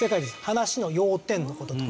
話の要点の事と。